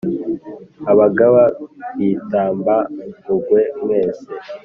abagaba b'i tamba-nguge mwese,